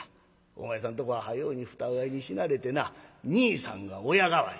お前さんとこは早うに二親に死なれてな兄さんが親代わり。